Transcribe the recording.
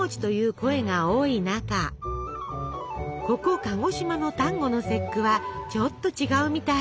ここ鹿児島の端午の節句はちょっと違うみたい。